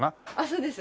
そうです。